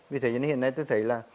vì thế nên hiện nay tôi thấy là